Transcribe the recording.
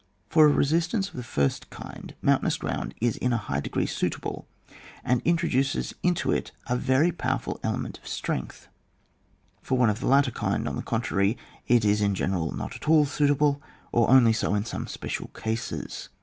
For a xe* sistance of the first kind mountainous ground is in a high degree suitable, and introduces into it a very powerful element of strong^ ; for one of the latter kind, on the contrary, it is in general not at all suitable, or only so in some special cases.